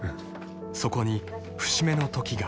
［そこに節目の時が］